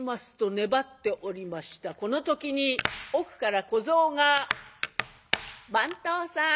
この時に奥から小僧が「番頭さん